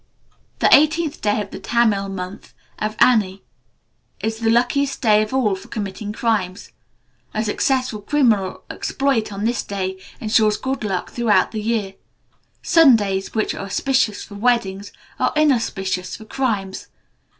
The eighteenth day of the Tamil month, Avani, is the luckiest day of all for committing crimes. A successful criminal exploit on this day ensures good luck throughout the year. Sundays, which are auspicious for weddings, are inauspicious for crimes.